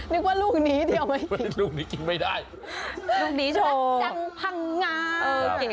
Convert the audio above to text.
นึกว่าลูกนี้เทียวไม่กินลูกนี้กินไม่ได้รักจังพังงานโอ้โหลูกนี้โชว์